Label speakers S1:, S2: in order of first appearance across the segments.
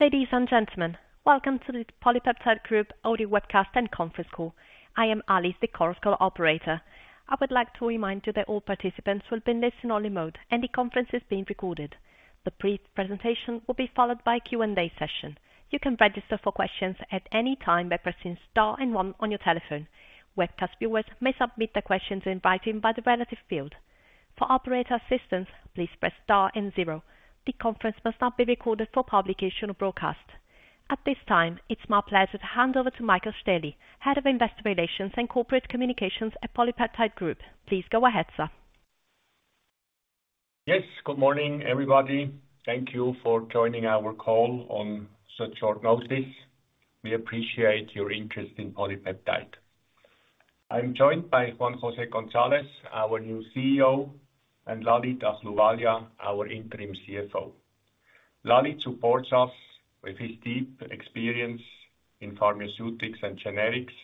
S1: Ladies and gentlemen, welcome to the PolyPeptide Group Audit Webcast and Conference Call. I am Alice, the Chorus Call operator. I would like to remind you that all participants will be listening only mode, and the conference is being recorded. The brief presentation will be followed by a Q&A session. You can register for questions at any time by pressing star one on your telephone. Webcast viewers may submit their questions in writing by the relative field. For operator assistance, please press star zero. The conference must not be recorded for publication or broadcast. At this time, it's my pleasure to hand over to Michael Stähli, Head of Investor Relations and Corporate Communications at PolyPeptide Group. Please go ahead, sir.
S2: Yes, good morning, everybody. Thank you for joining our call on such short notice. We appreciate your interest in PolyPeptide. I'm joined by Juan José González, our new CEO, and Lalit Ahluwalia, our interim CFO. Lalit supports us with his deep experience in pharmaceutics and generics,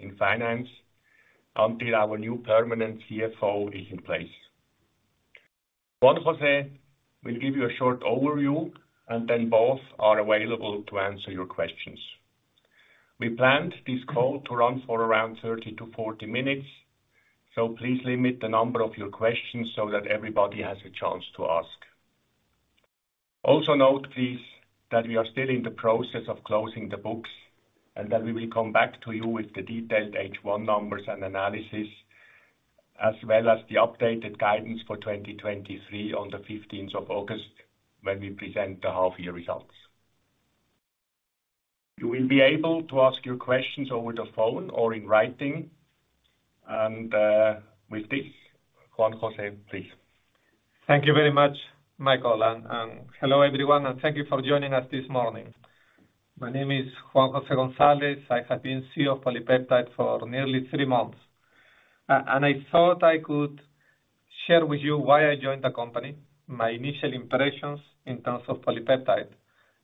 S2: in finance, until our new permanent CFO is in place. Juan José will give you a short overview, and then both are available to answer your questions. We planned this call to run for around 30 to 40 minutes, so please limit the number of your questions so that everybody has a chance to ask. Also note, please, that we are still in the process of closing the books and that we will come back to you with the detailed H1 numbers and analysis, as well as the updated guidance for 2023 on 15th August, when we present the half-year results. You will be able to ask your questions over the phone or in writing. With this, Juan José, please.
S3: Thank you very much, Michael, and hello, everyone, and thank you for joining us this morning. My name is Juan José González. I have been CEO of PolyPeptide for nearly three months. I thought I could share with you why I joined the company, my initial impressions in terms of PolyPeptide,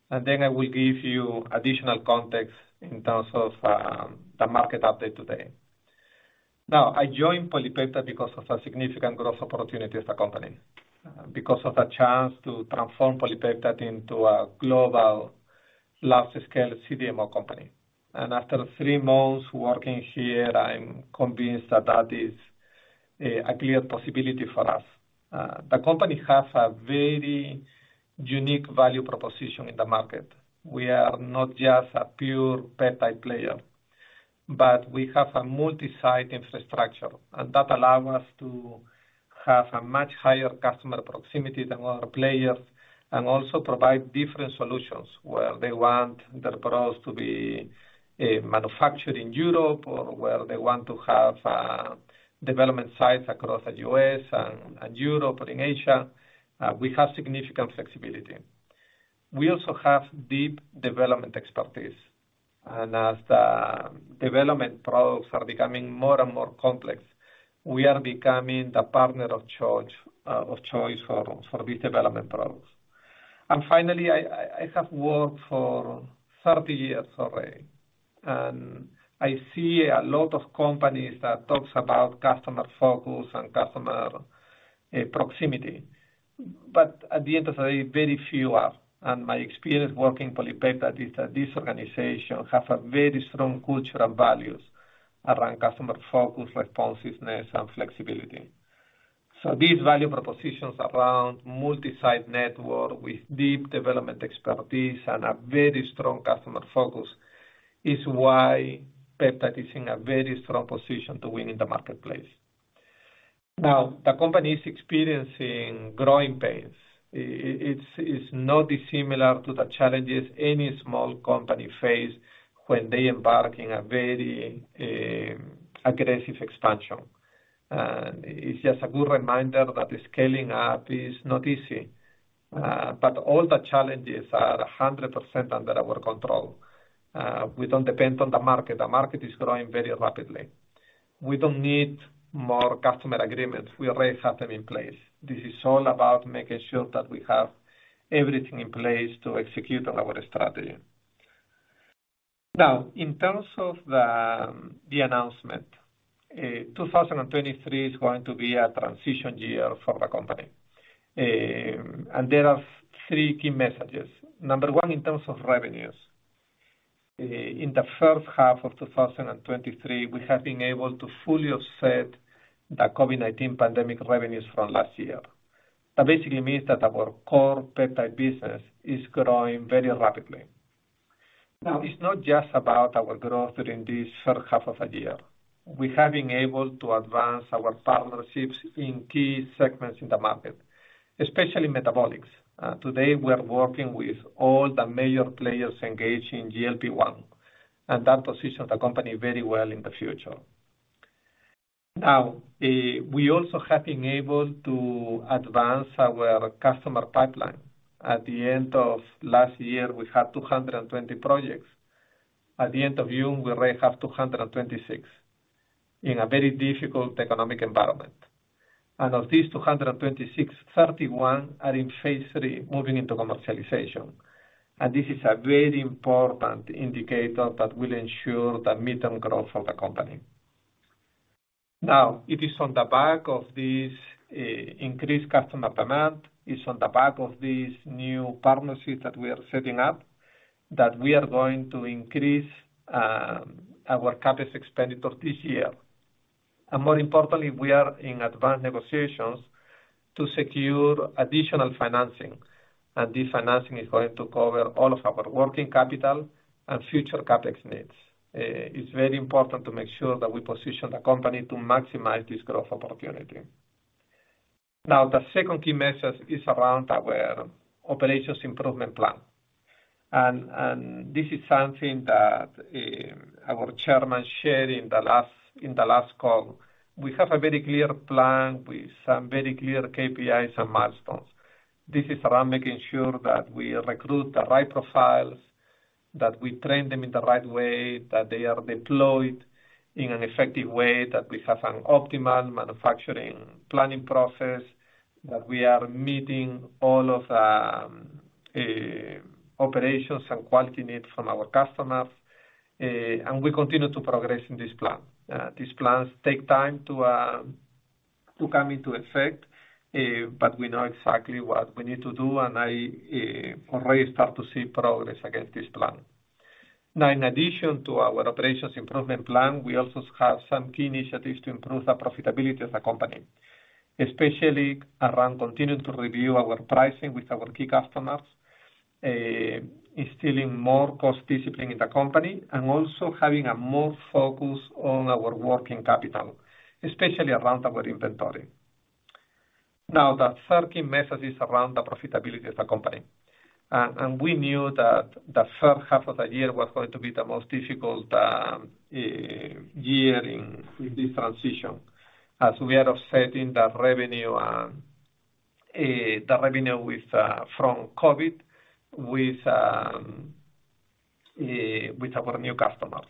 S3: and then I will give you additional context in terms of the market update today. I joined PolyPeptide because of the significant growth opportunity of the company, because of the chance to transform PolyPeptide into a global, large-scale CDMO company. After three months working here, I'm convinced that that is a clear possibility for us. The company has a very unique value proposition in the market. We are not just a pure peptide player. We have a multi-site infrastructure. That allow us to have a much higher customer proximity than other players and also provide different solutions where they want their products to be manufactured in Europe or where they want to have development sites across the U.S., and Europe and in Asia. We have significant flexibility. We also have deep development expertise. As the development products are becoming more and more complex, we are becoming the partner of choice for these development products. Finally, I have worked for 30 years already. I see a lot of companies that talks about customer focus and customer proximity. At the end of the day, very few are. My experience working in PolyPeptide is that this organization have a very strong cultural values around customer focus, responsiveness, and flexibility. These value propositions around multi-site network with deep development expertise and a very strong customer focus is why Peptide is in a very strong position to win in the marketplace. The company is experiencing growing pains. It's not dissimilar to the challenges any small company face when they embark in a very aggressive expansion. It's just a good reminder that the scaling up is not easy, but all the challenges are 100% under our control. We don't depend on the market. The market is growing very rapidly. We don't need more customer agreements. We already have them in place. This is all about making sure that we have everything in place to execute on our strategy. Now, in terms of the announcement, 2023 is going to be a transition year for the company. There are three key messages. Number one, in terms of revenues. In the first half of 2023, we have been able to fully offset the COVID-19 pandemic revenues from last year. That basically means that our core peptide business is growing very rapidly. It's not just about our growth during this first half of the year. We have been able to advance our partnerships in key segments in the market, especially metabolic. Today, we are working with all the major players engaged in GLP-1, and that positions the company very well in the future. We also have been able to advance our customer pipeline. At the end of last year, we had 220 projects. At the end of June, we already have 226 in a very difficult economic environment. Of these 226, 31 are in phase III, moving into commercialization. This is a very important indicator that will ensure the midterm growth of the company. Now, it is on the back of this increased customer demand, it's on the back of these new partnerships that we are setting up, that we are going to increase our CapEx expenditure this year. More importantly, we are in advanced negotiations to secure additional financing, and this financing is going to cover all of our working capital and future CapEx needs. It's very important to make sure that we position the company to maximize this growth opportunity. Now, the second key message is around our operations improvement plan. This is something that our chairman shared in the last call. We have a very clear plan with some very clear KPIs and milestones. This is around making sure that we recruit the right profiles, that we train them in the right way, that they are deployed in an effective way, that we have an optimal manufacturing planning process, that we are meeting all of the operations and quality needs from our customers, and we continue to progress in this plan. These plans take time to come into effect, we know exactly what we need to do, and I already start to see progress against this plan. In addition to our operations improvement plan, we also have some key initiatives to improve the profitability of the company, especially around continuing to review our pricing with our key customers, instilling more cost discipline in the company, and also having a more focus on our working capital, especially around our inventory. The third key message is around the profitability of the company. We knew that the first half of the year was going to be the most difficult year in this transition, as we are offsetting the revenue from COVID with our new customers.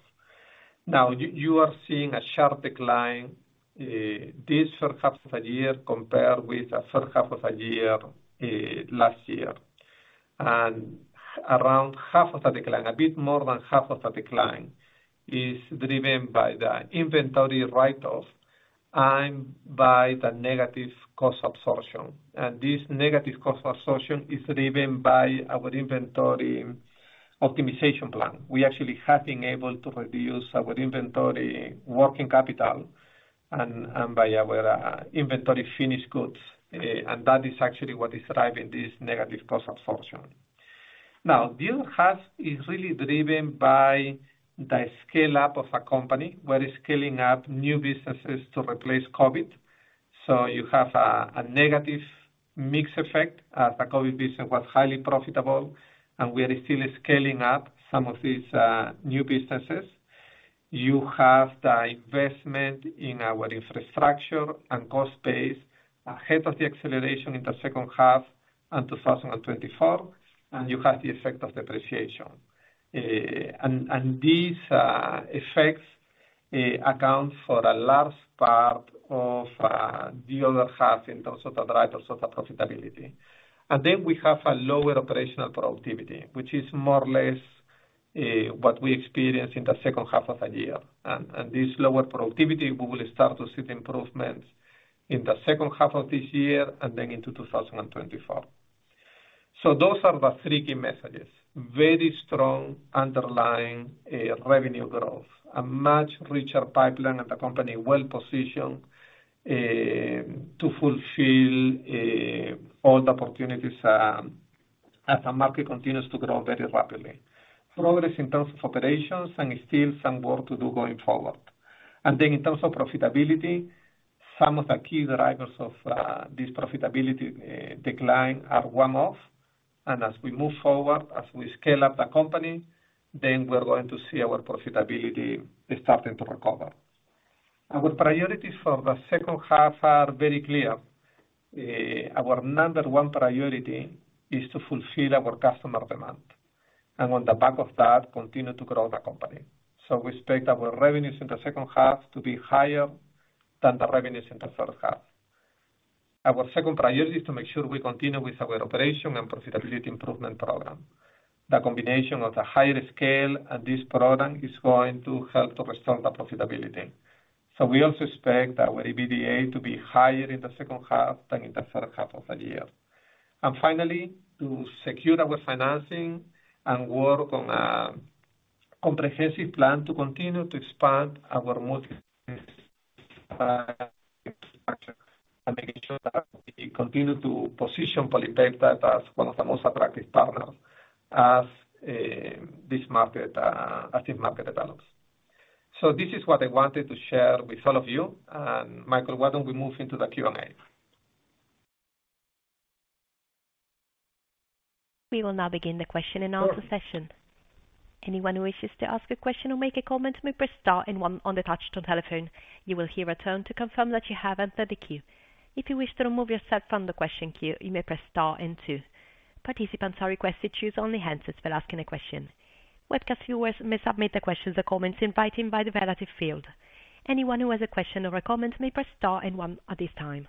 S3: You are seeing a sharp decline this first half of the year compared with the first half of the year last year. Around half of the decline, a bit more than half of the decline, is driven by the inventory write-offs and by the negative cost absorption. This negative cost absorption is driven by our inventory optimization plan. We actually have been able to reduce our inventory working capital and by our inventory finished goods, and that is actually what is driving this negative cost absorption. Now, this half is really driven by the scale-up of a company. We're scaling up new businesses to replace COVID. You have a negative mix effect, as the COVID business was highly profitable, and we are still scaling up some of these new businesses. You have the investment in our infrastructure and cost base ahead of the acceleration in the second half, and 2024, and you have the effect of depreciation. These effects account for a large part of the other half in terms of the drivers of the profitability. Then we have a lower operational productivity, which is more or less what we experienced in the second half of the year. This lower productivity, we will start to see the improvements in the second half of this year and then into 2024. Those are the three key messages. Very strong underlying revenue growth, a much richer pipeline, and the company well-positioned to fulfill all the opportunities as the market continues to grow very rapidly. Progress in terms of operations, and still some work to do going forward. In terms of profitability, some of the key drivers of this profitability decline are one-off, and as we move forward, as we scale up the company, then we're going to see our profitability starting to recover. Our priorities for the second half are very clear. Our number one priority is to fulfill our customer demand, and on the back of that, continue to grow the company. We expect our revenues in the second half to be higher than the revenues in the first half. Our second priority is to make sure we continue with our operation and profitability improvement program. The combination of the higher scale and this program is going to help to restore the profitability. We also expect our EBITDA to be higher in the second half than in the first half of the year. Finally, to secure our financing and work on a comprehensive plan to continue to expand our multi-, and making sure that we continue to position PolyPeptide as one of the most attractive partners as this market develops. This is what I wanted to share with all of you. Michael, why don't we move into the Q&A?
S1: We will now begin the question and answer session. Anyone who wishes to ask a question or make a comment may press star and one on the touch-tone telephone. You will hear a tone to confirm that you have entered the queue. If you wish to remove yourself from the question queue, you may press star and two. Participants are requested to use only hands for asking a question. Webcast viewers may submit their questions or comments in writing by the relevant field. Anyone who has a question or a comment may press star and one at this time.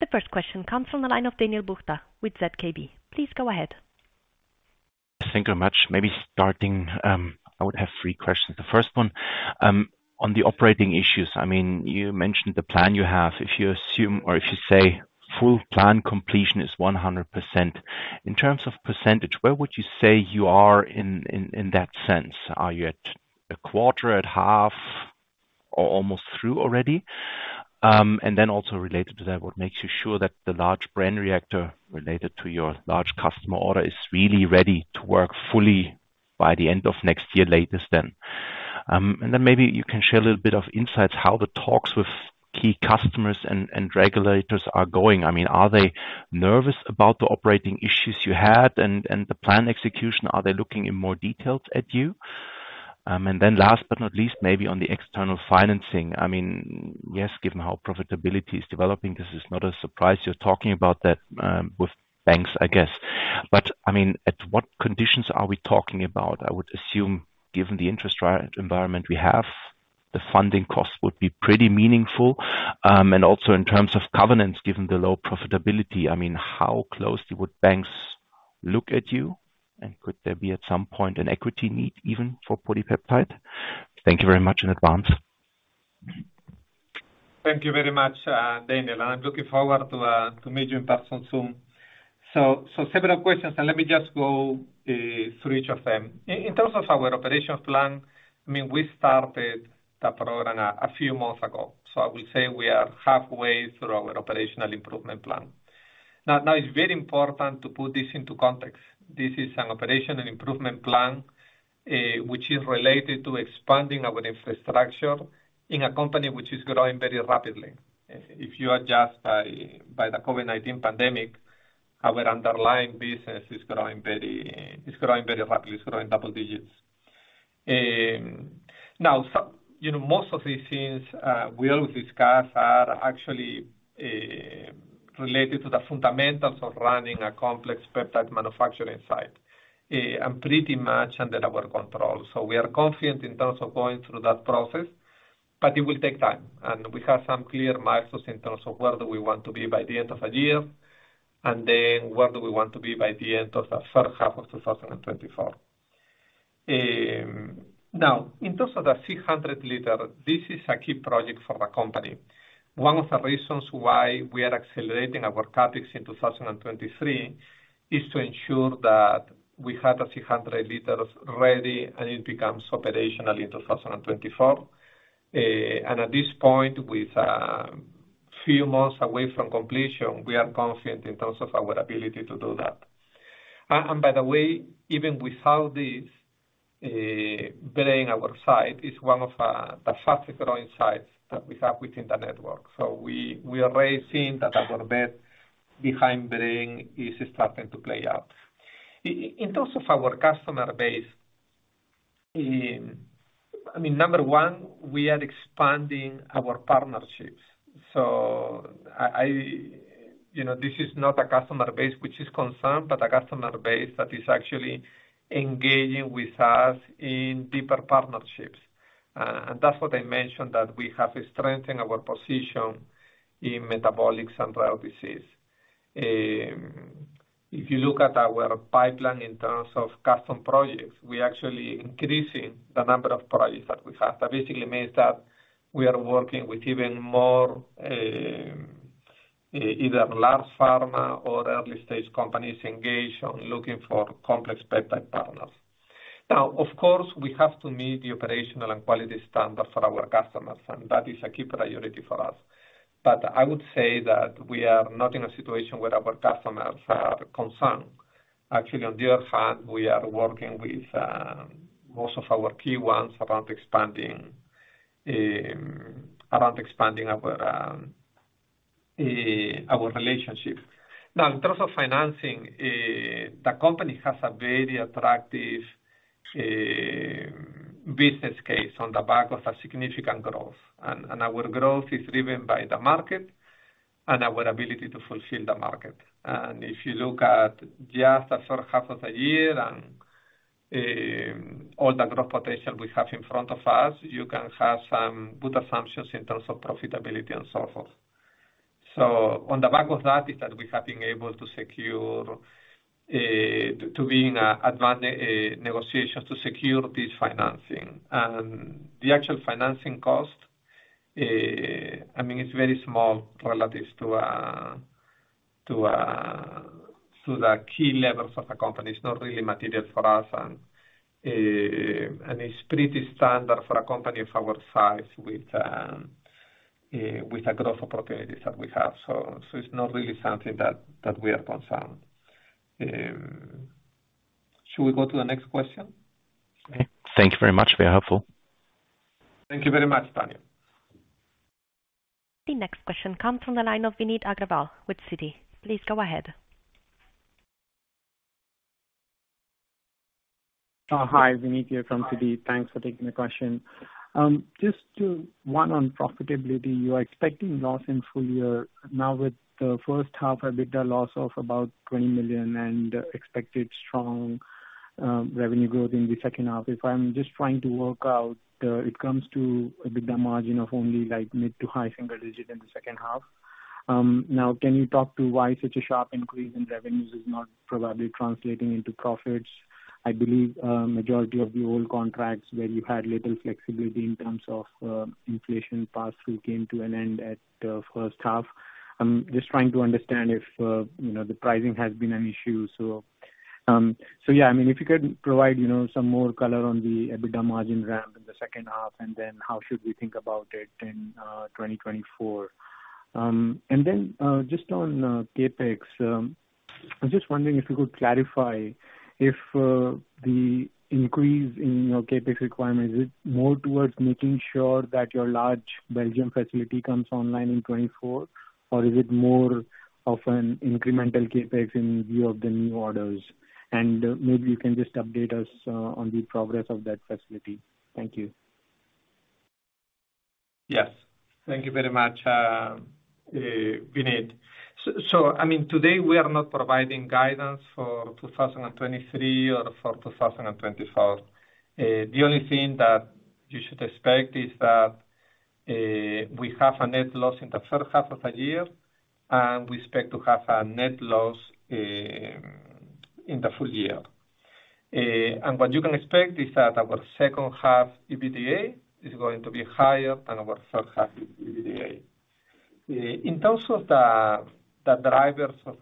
S1: The first question comes from the line of Daniel Buchta with ZKB. Please go ahead.
S4: Thank you very much. Maybe starting, I would have three questions. The first one, on the operating issues, I mean, you mentioned the plan you have. If you assume or if you say full plan completion is 100%, in terms of percentage, where would you say you are in that sense? Are you at a quarter, at half, or almost through already? Also related to that, what makes you sure that the large Braine reactor related to your large customer order is really ready to work fully by the end of next year, latest then? Maybe you can share a little bit of insights how the talks with key customers and regulators are going. I mean, are they nervous about the operating issues you had and the plan execution? Are they looking in more details at you? Then last but not least, maybe on the external financing, I mean, yes, given how profitability is developing, this is not a surprise you're talking about that with banks, I guess. I mean, at what conditions are we talking about? I would assume, given the interest environment we have, the funding cost would be pretty meaningful. Also, in terms of governance, given the low profitability, I mean, how closely would banks look at you? Could there be, at some point, an equity need even for PolyPeptide? Thank you very much in advance.
S3: Thank you very much, Daniel, and I'm looking forward to meet you in person soon. Several questions, and let me just go through each of them. In, in terms of our operations plan, I mean, we started the program a few months ago, so I would say we are halfway through our operational improvement plan. It's very important to put this into context. This is an operational improvement plan, which is related to expanding our infrastructure in a company which is growing very rapidly. If you adjust by the COVID-19 pandemic, our underlying business is growing very rapidly, it's growing double digits. You know, most of these things we always discuss are actually related to the fundamentals of running a complex peptide manufacturing site, and pretty much under our control. We are confident in terms of going through that process, but it will take time, and we have some clear milestones in terms of where do we want to be by the end of the year. Where do we want to be by the end of the first half of 2024. Now, in terms of the 600 L, this is a key project for the company. One of the reasons why we are accelerating our CapEx in 2023, is to ensure that we have the 600 L ready and it becomes operational in 2024. At this point, with few months away from completion, we are confident in terms of our ability to do that. By the way, even without this, bringing our site is one of the fastest-growing sites that we have within the network. We are already seeing that our bet behind Braine is starting to play out. In terms of our customer base, I mean, number one, we are expanding our partnerships. You know, this is not a customer base which is concerned, but a customer base that is actually engaging with us in deeper partnerships. That's what I mentioned, that we have strengthened our position in metabolic and rare diseases. If you look at our pipeline in terms of custom projects, we're actually increasing the number of projects that we have. That basically means that we are working with even more, either large pharma or early-stage companies, engaged on looking for complex peptide partners. Of course, we have to meet the operational and quality standards for our customers, and that is a key priority for us. I would say that we are not in a situation where our customers are concerned. On the other hand, we are working with most of our key ones around expanding, around expanding our relationship. In terms of financing, the company has a very attractive business case on the back of a significant growth, and our growth is driven by the market and our ability to fulfill the market. If you look at just the first half of the year and all the growth potential we have in front of us, you can have some good assumptions in terms of profitability and so forth. On the back of that is that we have been able to secure, to be in advanced negotiations to secure this financing. The actual financing cost, I mean, it's very small relative to the key levels of the company. It's not really material for us it's pretty standard for a company of our size with the growth opportunities that we have. It's not really something that we are concerned. Should we go to the next question?
S4: Thank you very much. Very helpful.
S3: Thank you very much, Daniel.
S1: The next question comes from the line of Vineet Agrawal with Citi. Please go ahead.
S5: Hi, Vineet here from Citi.
S3: Hi.
S5: Thanks for taking the question. One, on profitability, you are expecting loss in full year. Now, with the first half EBITDA loss of about 20 million and expected strong revenue growth in the second half. If I'm just trying to work out, it comes to EBITDA margin of only like mid to high single-digit in the second half. Now, can you talk to why such a sharp increase in revenues is not probably translating into profits? I believe, majority of the old contracts where you had little flexibility in terms of inflation pass-through, came to an end at first half. I'm just trying to understand if, you know, the pricing has been an issue, so. I mean, if you could provide, you know, some more color on the EBITDA margin ramp in the second half, then how should we think about it in 2024? Just on CapEx. I'm just wondering if you could clarify if the increase in your CapEx requirements is it more towards making sure that your large Belgium facility comes online in 2024? Or is it more of an incremental CapEx in view of the new orders? Maybe you can just update us on the progress of that facility. Thank you.
S3: Yes. Thank you very much, Vinit. I mean, today, we are not providing guidance for 2023 or for 2024. The only thing that you should expect is that we have a net loss in the first half of the year, and we expect to have a net loss in the full year. What you can expect is that our second-half EBITDA is going to be higher than our first-half EBITDA. In terms of the drivers of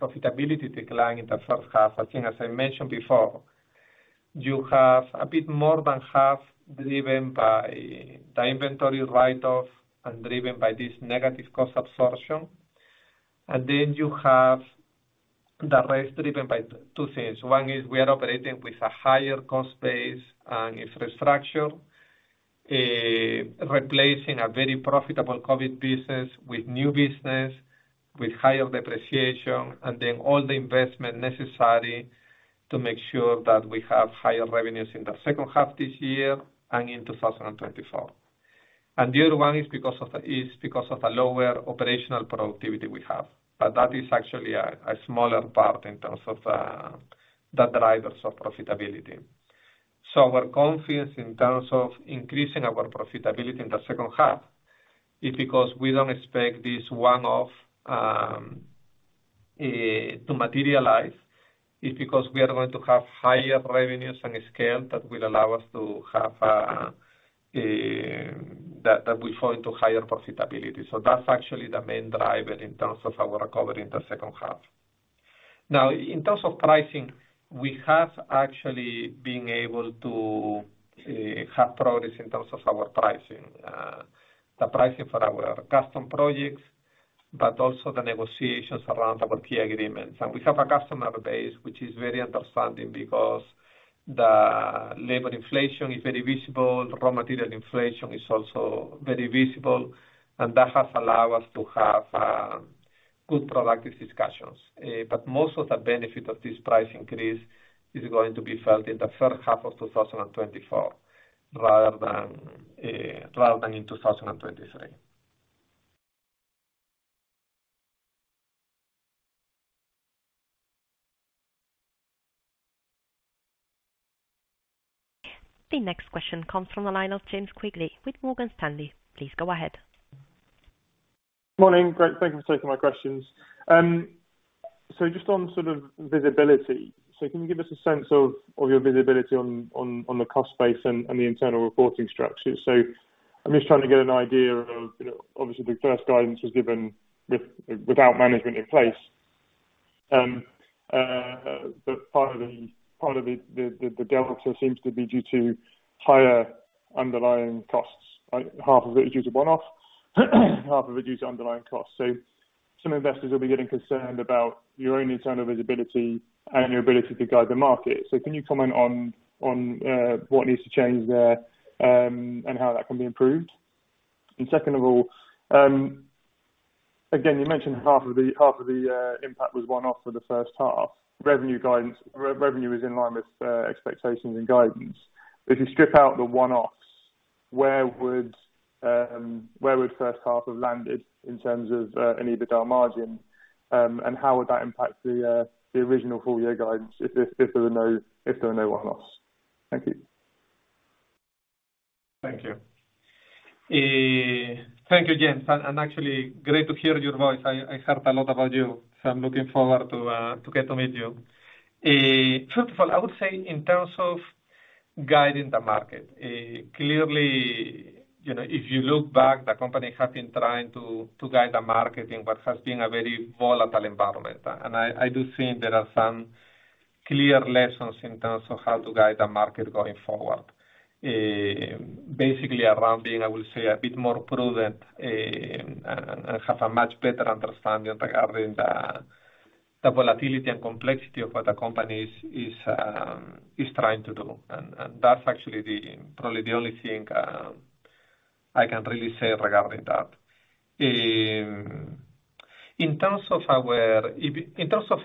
S3: profitability decline in the first half, I think as I mentioned before, you have a bit more than half driven by the inventory write-off and driven by this negative cost absorption. Then you have the rest driven by two things. One is we are operating with a higher cost base and infrastructure, replacing a very profitable COVID-19 business with new business, with higher depreciation, and then all the investment necessary to make sure that we have higher revenues in the second half this year and in 2024. The other one is because of the lower operational productivity we have. That is actually a smaller part in terms of the drivers of profitability. Our confidence in terms of increasing our profitability in the second half is because we don't expect this one-off to materialize. It's because we are going to have higher revenues and scale that will allow us to have that will fall into higher profitability. That's actually the main driver in terms of our recovery in the second half. In terms of pricing, we have actually been able to have progress in terms of our pricing. The pricing for our custom projects, but also the negotiations around our key agreements. We have a customer base which is very understanding because the labor inflation is very visible, raw material inflation is also very visible, and that has allowed us to have good productive discussions. Most of the benefit of this price increase is going to be felt in the first half of 2024, rather than in 2023.
S1: The next question comes from the line of James Quigley with Morgan Stanley. Please go ahead.
S6: Morning. Great, thank you for taking my questions. Just on sort of visibility, can you give us a sense of your visibility on the cost base and the internal reporting structure? I'm just trying to get an idea of, you know, obviously, the first guidance was given without management in place. Part of the delta seems to be due to higher underlying costs. Like, half of it is due to one-off, half of it due to underlying costs. Some investors will be getting concerned about your own internal visibility and your ability to guide the market. Can you comment on what needs to change there, and how that can be improved? Second of all, again, you mentioned half of the impact was one-off for the first half. Revenue is in line with expectations and guidance. If you strip out the one-offs, where would first half have landed in terms of an EBITDA margin? How would that impact the original full-year guidance, if there were no one-offs? Thank you.
S3: Thank you. Thank you, James, and actually great to hear your voice. I heard a lot about you, so I'm looking forward to get to meet you. First of all, I would say in terms of guiding the market, clearly, you know, if you look back, the company has been trying to guide the market in what has been a very volatile environment. I do think there are some clear lessons in terms of how to guide the market going forward. Basically, around being, I will say, a bit more prudent, and have a much better understanding regarding the volatility and complexity of what the company is trying to do. That's actually the, probably the only thing I can really say regarding that. In terms of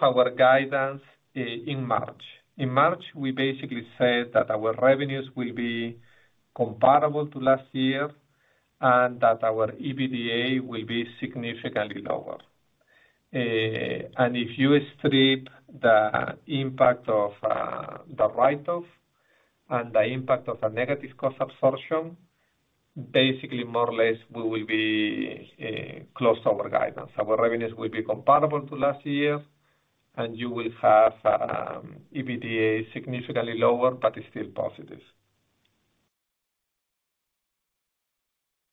S3: our guidance in March. In March, we basically said that our revenues will be comparable to last year and that our EBITDA will be significantly lower. If you strip the impact of the write-off and the impact of a negative cost absorption, basically, more or less, we will be close to our guidance. Our revenues will be comparable to last year, and you will have EBITDA significantly lower, but still positive.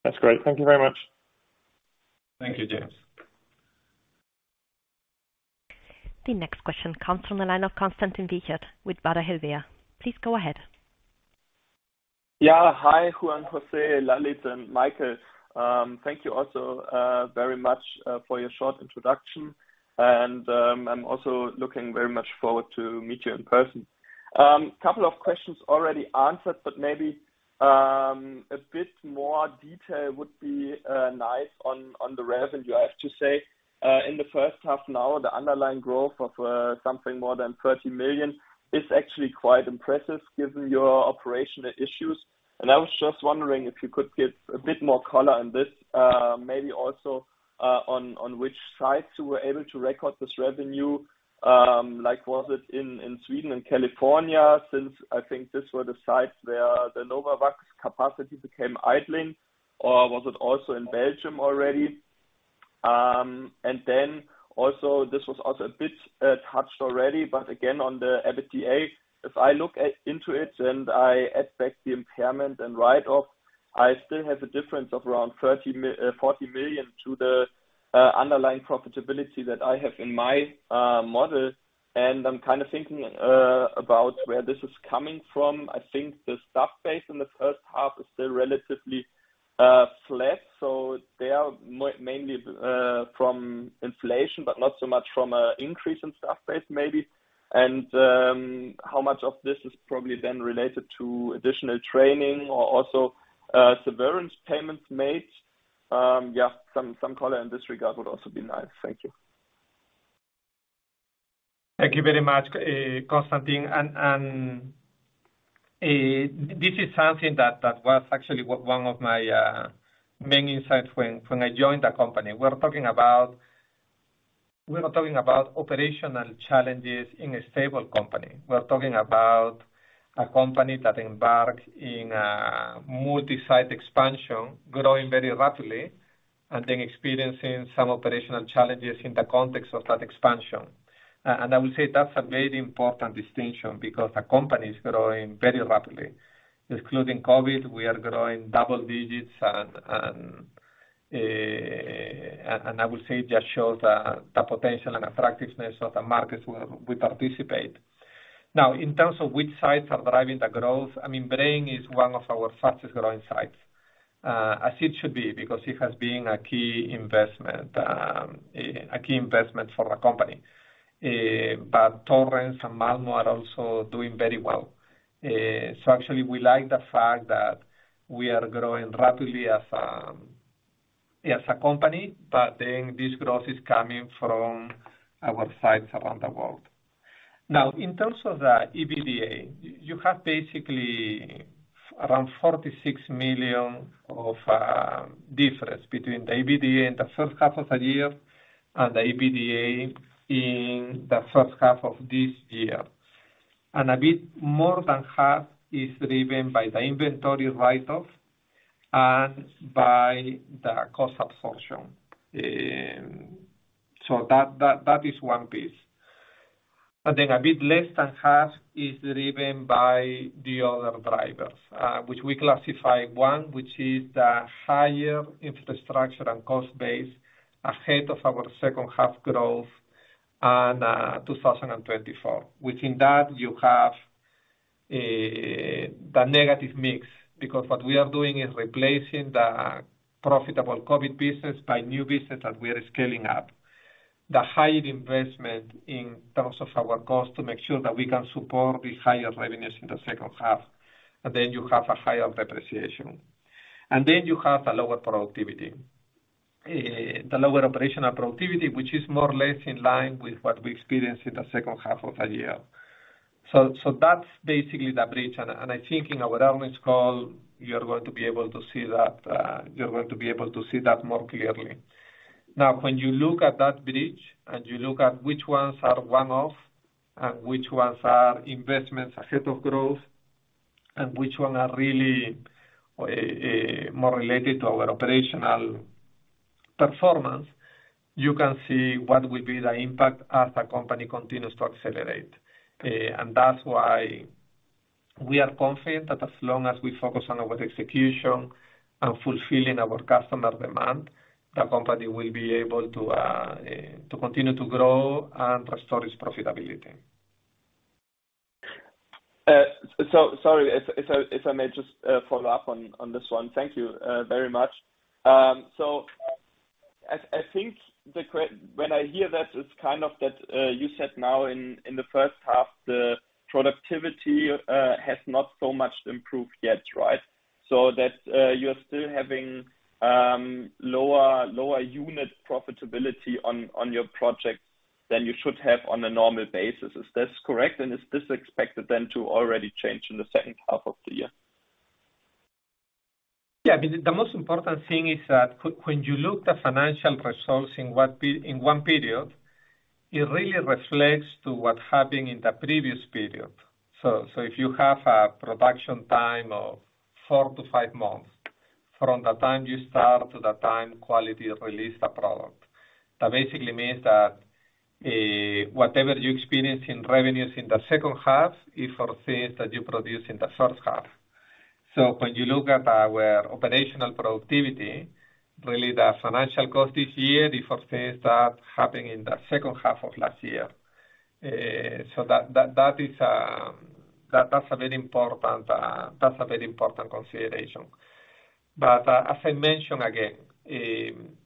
S6: That's great. Thank you very much.
S3: Thank you, James.
S1: The next question comes from the line of Konstantin Wiechert with Baader Helvea. Please go ahead.
S7: Yeah, hi, Juan José, Lalit, and Michael. Thank you also very much for your short introduction, and I'm also looking very much forward to meet you in person. Couple of questions already answered, but maybe a bit more detail would be nice on the revenue. I have to say, in the first half now, the underlying growth of something more than 30 million is actually quite impressive given your operational issues. I was just wondering if you could give a bit more color on this, maybe also on which sites you were able to record this revenue. Like, was it in Sweden and California, since I think these were the sites where the Novavax capacity became idling, or was it also in Belgium already? Then also, this was also a bit touched already, but again, on the EBITDA, if I look into it and I add back the impairment and write-off, I still have a difference of around 30 million, 40 million to the underlying profitability that I have in my model. I'm kind of thinking about where this is coming from. I think the staff base in the first half is still relatively flat, so they are mainly from inflation, but not so much from increase in staff base, maybe. How much of this is probably then related to additional training or also severance payments made? Yeah, some color in this regard would also be nice. Thank you.
S3: Thank you very much, Konstantin. This is something that was actually one of my main insights when I joined the company. We're talking about... We're not talking about operational challenges in a stable company. We're talking about a company that embarked in a multi-site expansion, growing very rapidly, and then experiencing some operational challenges in the context of that expansion. I would say that's a very important distinction because the company is growing very rapidly. Excluding COVID-19, we are growing double digits, and I would say it just shows the potential and attractiveness of the markets we participate. In terms of which sites are driving the growth, I mean, Braine is one of our fastest growing sites, as it should be, because it has been a key investment, a key investment for the company. Torrance and Malmö are also doing very well. Actually, we like the fact that we are growing rapidly as a company, but then this growth is coming from our sites around the world. In terms of the EBITDA, you have basically around 46 million of difference between the EBITDA in the first half of the year and the EBITDA in the first half of this year. A bit more than half is driven by the inventory write-off and by the cost absorption. That is one piece. A bit less than half is driven by the other drivers, which we classify, one, which is the higher infrastructure and cost base ahead of our second half growth and 2024. Within that, you have the negative mix, because what we are doing is replacing the profitable COVID business by new business that we are scaling up. The high investment in terms of our cost to make sure that we can support the higher revenues in the second half, you have a higher depreciation. You have the lower productivity, the lower operational productivity, which is more or less in line with what we experienced in the second half of the year. That's basically the bridge, I think in our earnings call, you're going to be able to see that, you're going to be able to see that more clearly. When you look at that bridge and you look at which ones are one-off and which ones are investments ahead of growth, and which one are really, more related to our operational performance, you can see what will be the impact as the company continues to accelerate. That's why we are confident that as long as we focus on our execution and fulfilling our customer demand, the company will be able to continue to grow and restore its profitability.
S7: Sorry, if I may just follow up on this one. Thank you very much. I think when I hear that, it's kind of that, you said now in the first half, the productivity has not so much improved yet, right? That, you're still having lower unit profitability on your project than you should have on a normal basis. Is this correct? Is this expected then to already change in the second half of the year?
S3: The most important thing is that when you look the financial results in what in one period, it really reflects to what's happening in the previous period. If you have a production time of four to five months, from the time you start to the time quality release the product, that basically means that whatever you experience in revenues in the second half is for things that you produce in the first half. When you look at our operational productivity, really the financial cost this year is for things that happened in the second half of last year. That is, that's a very important consideration. As I mentioned again,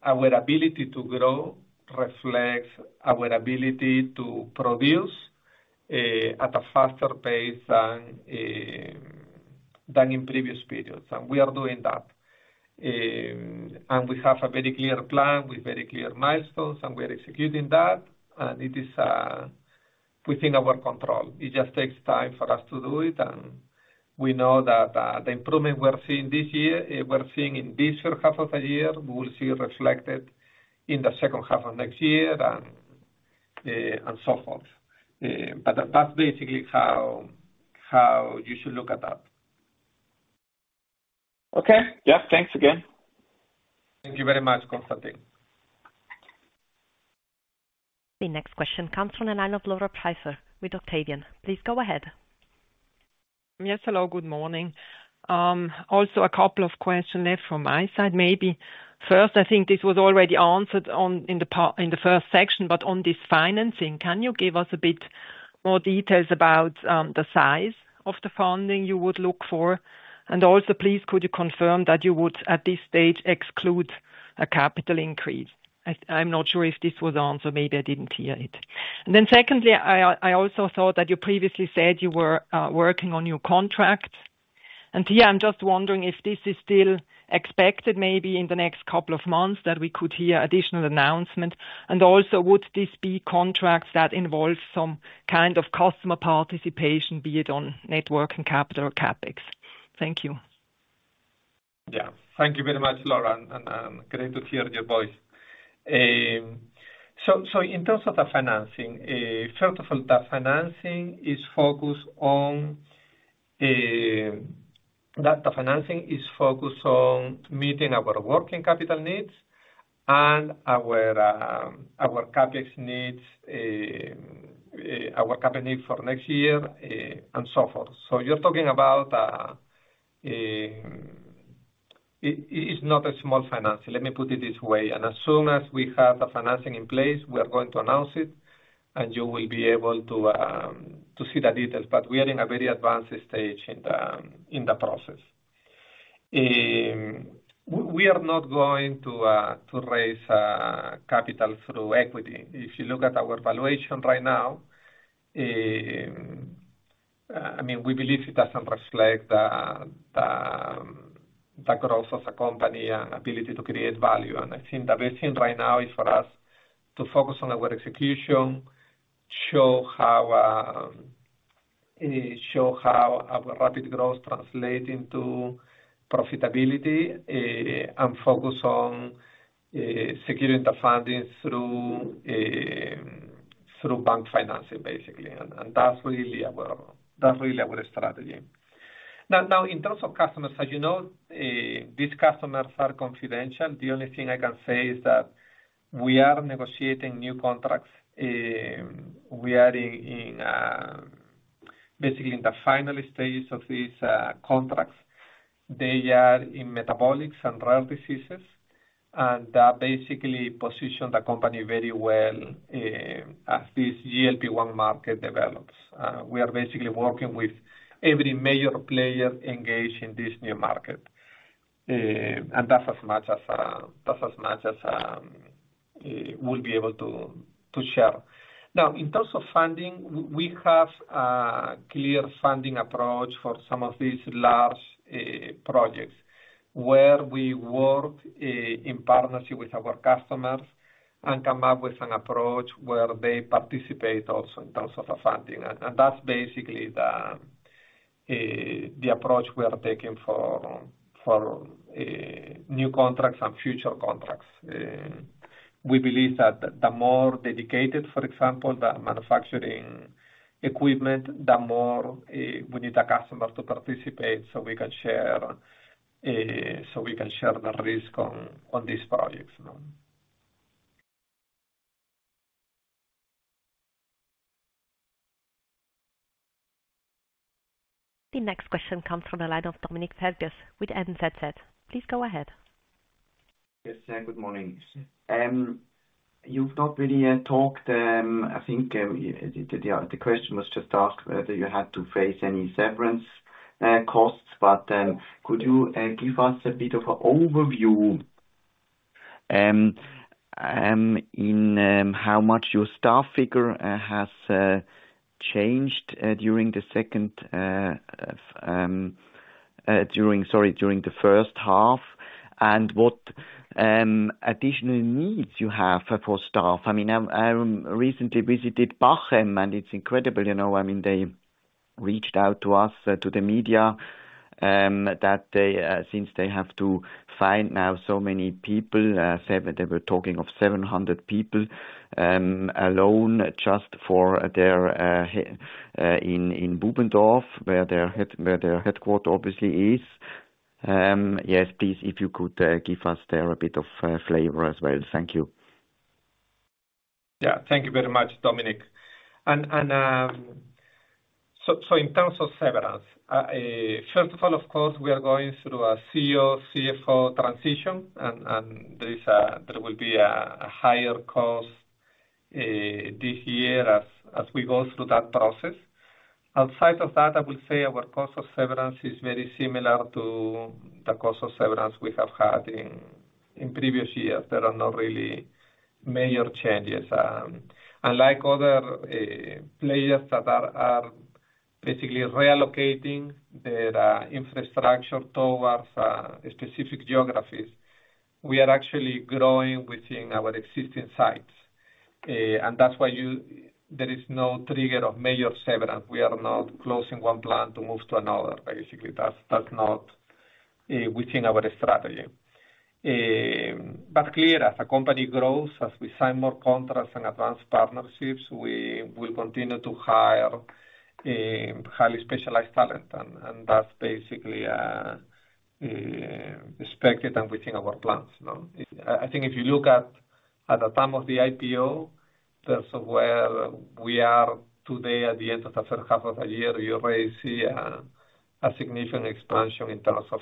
S3: our ability to grow reflects our ability to produce at a faster pace than in previous periods, and we are doing that. We have a very clear plan with very clear milestones, and we are executing that, and it is within our control. It just takes time for us to do it, and we know that the improvement we're seeing this year, we're seeing in this first half of the year, we will see it reflected in the second half of next year and so forth. That's basically how you should look at that.
S7: Okay. Yeah, thanks again.
S3: Thank you very much, Konstantin.
S1: The next question comes from the line of Laura Preiser with Octavian. Please go ahead.
S8: Yes, hello, good morning. Also a couple of questions there from my side. Maybe first, I think this was already answered in the first section, but on this financing, can you give us a bit more details about the size of the funding you would look for? Also, please, could you confirm that you would, at this stage, exclude a capital increase? I'm not sure if this was answered. Maybe I didn't hear it. Secondly, I also thought that you previously said you were working on new contracts. Here, I'm just wondering if this is still expected, maybe in the next couple of months, that we could hear additional announcement. Also, would this be contracts that involve some kind of customer participation, be it on networking, capital, or CapEx? Thank you.
S3: Yeah. Thank you very much, Laura, and great to hear your voice. In terms of the financing, first of all, the financing is focused on meeting our working capital needs and our CapEx needs, our cap need for next year, and so forth. You're talking about it's not a small financing, let me put it this way. As soon as we have the financing in place, we are going to announce it, and you will be able to see the details. We are in a very advanced stage in the process. We are not going to raise capital through equity. If you look at our valuation right now, I mean, we believe it doesn't reflect the growth of the company and ability to create value. I think the best thing right now is for us to focus on our execution, show how our rapid growth translates into profitability, and focus on securing the funding through bank financing, basically. That's really our strategy. Now, in terms of customers, as you know, these customers are confidential. The only thing I can say is that we are negotiating new contracts. We are in basically in the final stages of these contracts. They are in metabolic and rare diseases. That basically positions the company very well as this GLP-1 market develops. We are basically working with every major player engaged in this new market. That's as much as, that's as much as we'll be able to share. Now, in terms of funding, we have a clear funding approach for some of these large projects, where we work in partnership with our customers and come up with an approach where they participate also in terms of the funding. That's basically the approach we are taking for new contracts and future contracts. We believe that the more dedicated, for example, the manufacturing equipment, the more we need the customer to participate so we can share the risk on these projects.
S1: The next question comes from the line of Dominic Hertius with NZZ. Please go ahead.
S9: Yes, good morning. You've not really talked, I think, the question was just asked whether you had to face any severance costs, but could you give us a bit of an overview? How much your staff figure has changed during the first half, and what additional needs you have for staff? I mean, I recently visited Bachem, and it's incredible, you know, I mean, they reached out to us, to the media, that they since they have to find now so many people, they were talking of 700 people alone just for their in Bubendorf, where their headquarter obviously is. Yes, please, if you could give us there a bit of flavor as well. Thank you.
S3: Thank you very much, Dominic. In terms of severance, first of all, of course, we are going through a CEO, CFO transition, there will be a higher cost this year as we go through that process. Outside of that, I will say our cost of severance is very similar to the cost of severance we have had in previous years. There are not really major changes. Unlike other players that are basically relocating their infrastructure towards specific geographies, we are actually growing within our existing sites. That's why there is no trigger of major severance. We are not closing one plant to move to another, basically. That's, that's not within our strategy. Clear, as the company grows, as we sign more contracts and advance partnerships, we will continue to hire highly specialized talent, and that's basically expected and within our plans, no? I think if you look at the time of the IPO, in terms of where we are today at the end of the third half of the year, you already see a significant expansion in terms of.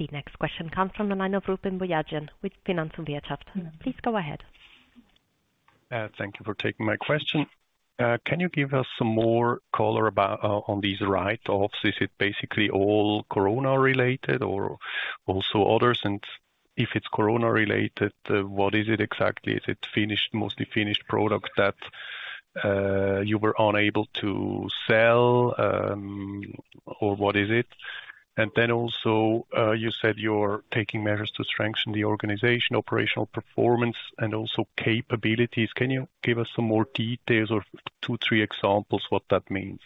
S1: The next question comes from the line of Ruben Boyajian with Finanz und Wirtschaft. Please go ahead.
S10: Thank you for taking my question. Can you give us some more color about on these write-offs? Is it basically all corona related or also others? If it's corona related, what is it exactly? Is it finished, mostly finished product that you were unable to sell, or what is it? You said you're taking measures to strengthen the organization, operational performance and also capabilities. Can you give us some more details or two, three examples what that means?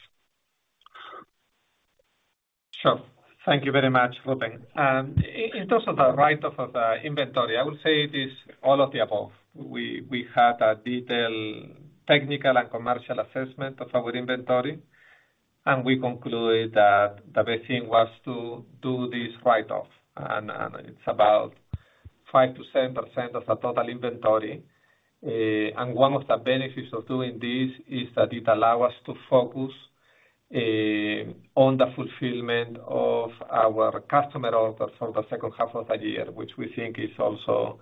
S3: Sure. Thank you very much, Ruben. In terms of the write-off of the inventory, I would say it is all of the above. We had a detailed technical and commercial assessment of our inventory, and we concluded that the best thing was to do this write-off, and it's about 5%-7% of the total inventory. One of the benefits of doing this is that it allow us to focus on the fulfillment of our customer orders for the second half of the year, which we think is also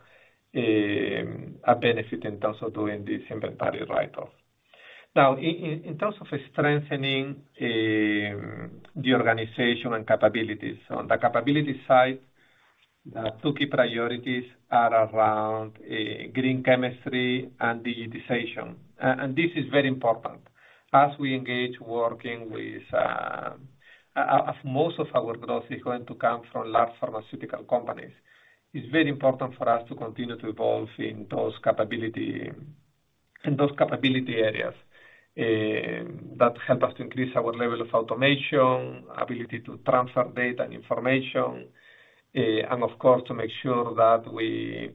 S3: a benefit in terms of doing this inventory write-off. Now, in terms of strengthening, the organization and capabilities. On the capability side, two key priorities are around green chemistry and digitization. This is very important. As we engage working with, as most of our growth is going to come from large pharmaceutical companies, it's very important for us to continue to evolve in those capability areas, that help us to increase our level of automation, ability to transfer data and information, and of course, to make sure that we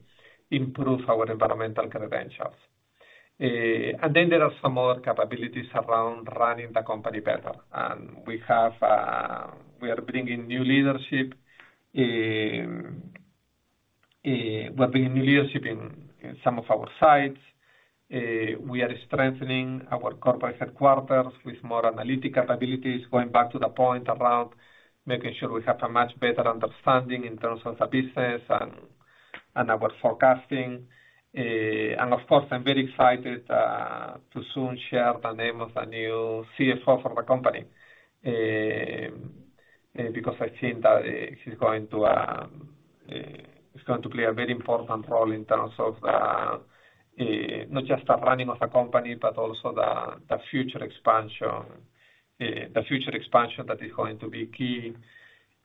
S3: improve our environmental credentials. There are some more capabilities around running the company better. We have, we're bringing new leadership in some of our sites. We are strengthening our corporate headquarters with more analytic capabilities, going back to the point around making sure we have a much better understanding in terms of the business and our forecasting. Of course, I'm very excited to soon share the name of the new CFO for the company. Because I think that he's going to play a very important role in terms of not just the running of the company, but also the future expansion. The future expansion that is going to be key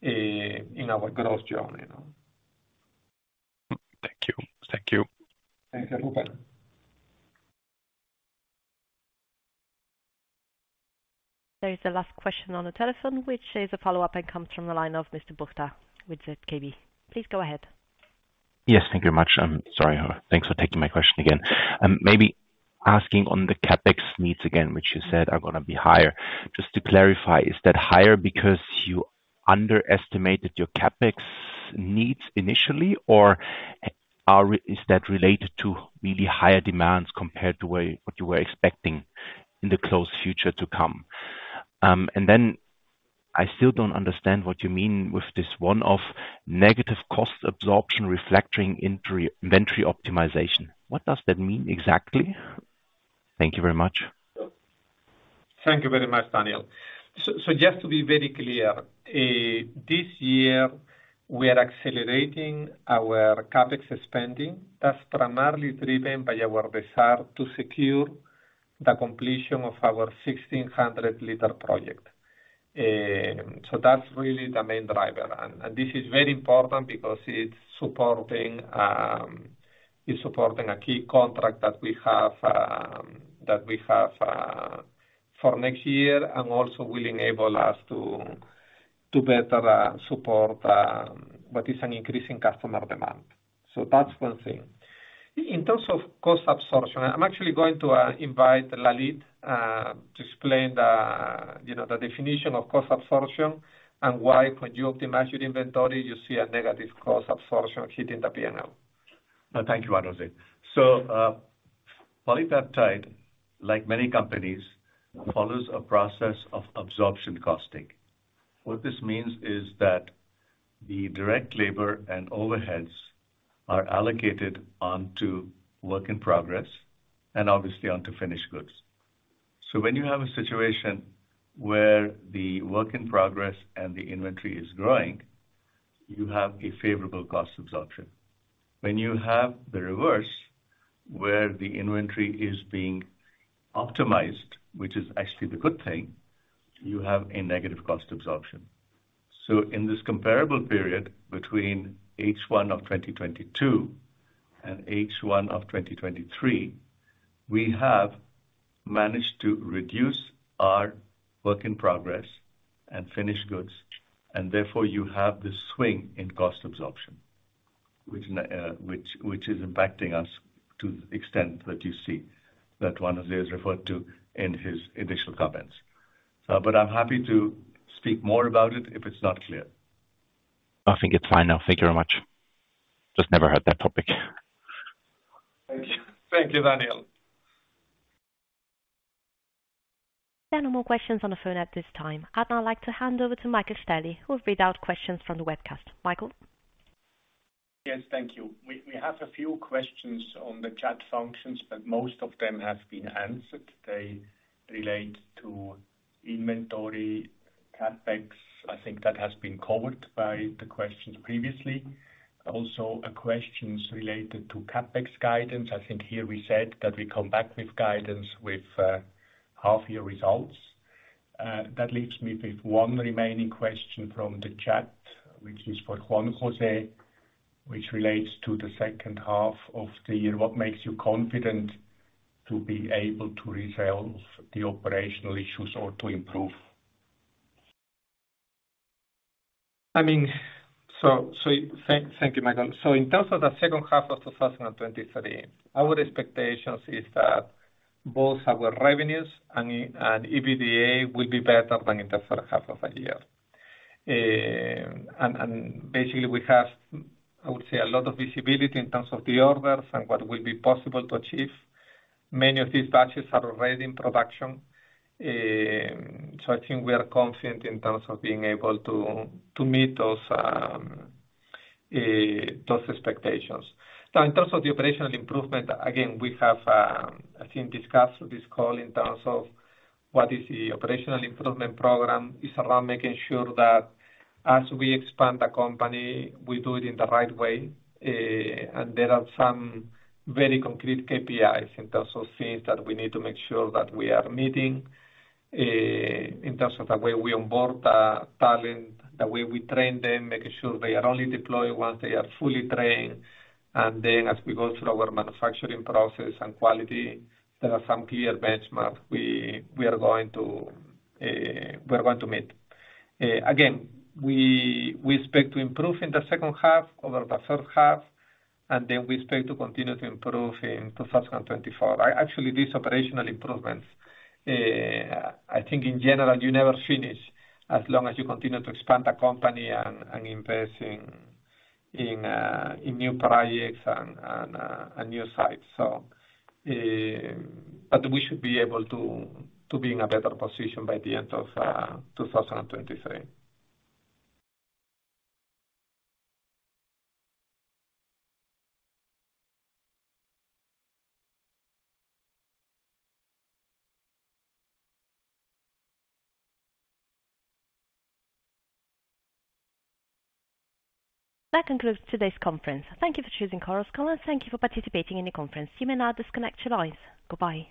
S3: in our growth journey, you know?
S10: Thank you. Thank you.
S3: Thank you, Ruben.
S1: There is the last question on the telephone, which is a follow-up and comes from the line of Mr. Buchta with ZKB. Please go ahead.
S4: Yes, thank you very much. I'm sorry. Thanks for taking my question again. Maybe asking on the CapEx needs again, which you said are going to be higher. Just to clarify, is that higher because you underestimated your CapEx needs initially, or is that related to really higher demands compared to where, what you were expecting in the close future to come? I still don't understand what you mean with this one of negative cost absorption reflecting in inventory optimization. What does that mean exactly? Thank you very much.
S3: Thank you very much, Daniel. Just to be very clear, this year, we are accelerating our CapEx spending. That's primarily driven by our desire to secure the completion of our 1,600 L project. That's really the main driver. This is very important because it's supporting a key contract that we have for next year, also will enable us to better support what is an increasing customer demand. That's one thing. In terms of cost absorption, I'm actually going to invite Lalit to explain the, you know, the definition of cost absorption and why when you optimize your inventory, you see a negative cost absorption hitting the P&L.
S11: Thank you, Juan José. PolyPeptide, like many companies, follows a process of absorption costing. What this means is that the direct labor and overheads are allocated onto work in progress and obviously onto finished goods. When you have a situation where the work in progress and the inventory is growing, you have a favorable cost absorption. When you have the reverse, where the inventory is being optimized, which is actually the good thing, you have a negative cost absorption. In this comparable period between H1 of 2022 and H1 of 2023, we have managed to reduce our work in progress and finished goods, and therefore, you have this swing in cost absorption, which is impacting us to the extent that you see, that Juan José referred to in his initial comments. I'm happy to speak more about it if it's not clear.
S4: I think it's fine now. Thank you very much. Just never heard that topic.
S3: Thank you. Thank you, Daniel.
S1: There are no more questions on the phone at this time. I'd now like to hand over to Michael Stäheli, who will read out questions from the webcast. Michael?
S2: Yes, thank you. We have a few questions on the chat functions, but most of them have been answered. They relate to inventory, CapEx. I think that has been covered by the questions previously. Also, questions related to CapEx guidance. I think here we said that we come back with guidance with half year results. That leaves me with one remaining question from the chat, which is for Juan José, which relates to the second half of the year. What makes you confident to be able to resolve the operational issues or to improve?
S3: I mean, thank you, Michael. In terms of the second half of 2023, our expectations is that both our revenues and EBITDA will be better than in the first half of the year. Basically, we have, I would say, a lot of visibility in terms of the orders and what will be possible to achieve. Many of these batches are already in production, so I think we are confident in terms of being able to meet those expectations. In terms of the operational improvement, again, we have, I think, discussed this call in terms of what is the operational improvement program. It's around making sure that as we expand the company, we do it in the right way, there are some very concrete KPIs in terms of things that we need to make sure that we are meeting, in terms of the way we onboard the talent, the way we train them, making sure they are only deployed once they are fully trained. As we go through our manufacturing process and quality, there are some clear benchmarks we are going to meet. We expect to improve in the second half over the first half, we expect to continue to improve in 2024. Actually, these operational improvements, I think in general, you never finish as long as you continue to expand the company and invest in new projects and new sites. We should be able to be in a better position by the end of 2023.
S1: That concludes today's conference. Thank you for choosing Chorus Call, and thank you for participating in the conference. You may now disconnect your lines. Goodbye.